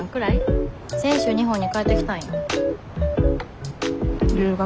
先週日本に帰ってきたんよ。留学？